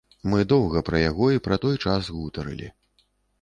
Мы доўга пра яго і пра той час гутарылі.